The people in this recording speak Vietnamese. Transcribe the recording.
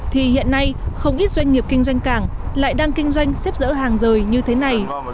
thì hiện nay không ít doanh nghiệp kinh doanh cảng lại đang kinh doanh xếp dỡ hàng rời như thế này